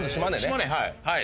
島根はい